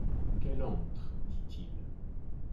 Qu’elle entre ! dit-il.